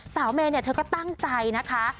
เมย์เธอก็ตั้งใจนะคะ